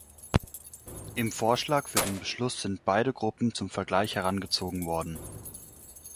Im Vorschlag für den Beschluss sind beide Gruppen zum Vergleich herangezogen worden.